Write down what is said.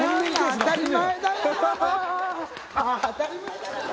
当たり前だがね！